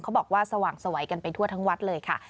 บอกว่าสว่างสวัยกันไปทั่วทั้งวัดเลยค่ะ